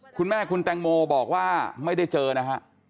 คุณแม่คุณแตงโมบอกว่าไม่ได้เจอนะฮะ